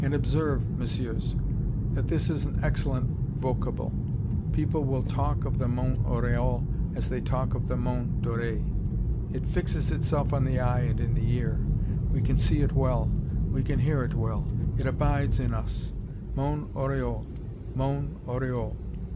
"And observe, Messieurs, that this is an excellent vocable. People will talk of 'the Mont Oriol' as they talk of 'the Mont Doré.' It fixes itself on the eye and in the ear; we can see it well; we can hear it well; it abides in us Mont Oriol! Mont Oriol!